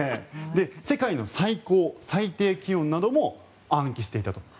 世界の最高、最低気温なども暗記していたと。